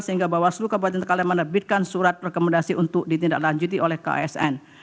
sehingga bawaslu kabupaten sekali menerbitkan surat rekomendasi untuk ditindaklanjuti oleh ksn